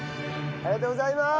ありがとうございます！